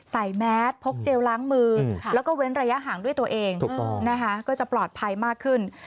แมสพกเจลล้างมือแล้วก็เว้นระยะห่างด้วยตัวเองนะคะก็จะปลอดภัยมากขึ้น